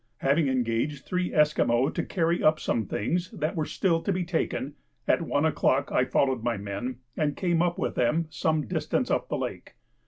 Having engaged three Esquimaux to carry up some things that were still to be taken, at one o'clock I followed my men and came up with them some distance up the lake.